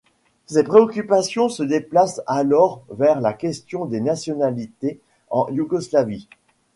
Ses préoccupations se déplacent alors vers la question des nationalités en Yougoslavie.